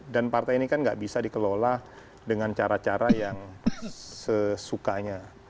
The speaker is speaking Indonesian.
dan partai ini kan gak bisa dikelola dengan cara cara yang sesukanya